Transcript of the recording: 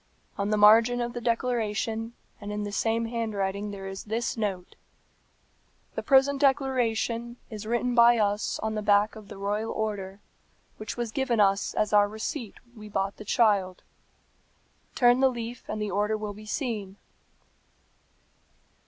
On the margin of the declaration, and in the same handwriting there is this note, 'The present declaration is written by us on the back of the royal order, which was given us as our receipt when we bought the child. Turn the leaf and the order will be seen.'"